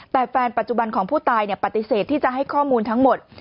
แต่แฟนปัจจุบันของผู้ตายปฏิเสธที่จะให้ข้อมูลทั้งหมด